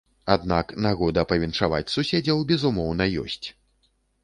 Аднак нагода павіншаваць суседзяў, безумоўна, ёсць.